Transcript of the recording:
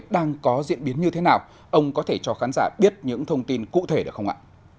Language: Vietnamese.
đang có diễn biến như thế nào ông có thể cho khán giả biết những thông tin cụ thể được không ạ